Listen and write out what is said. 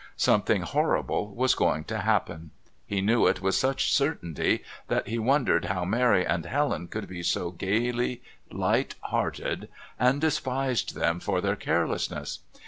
Something horrible was going to happen. He knew it with such certainty that he wondered how Mary and Helen could be so gaily light hearted, and despised them for their carelessness.